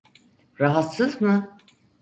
Rahatsız mı?